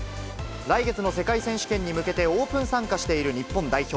来月の世界選手権に向けて、オープン参加している日本代表。